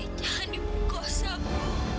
icah jangan dibugos aku